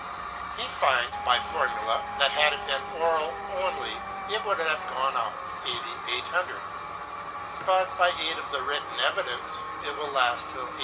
He finds, by formulæ, that had it been oral only, it would have gone out A.D. 800; but, by aid of the written evidence, it will last till A.